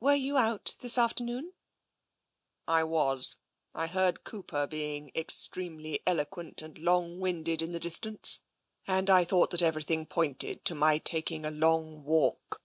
Were you out this after noon r ?" I was. I heard Cooper being extremely eloquent and long winded in the distance, and I thought that everything pointed to my taking a long walk."